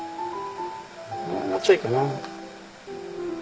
もうちょいかな。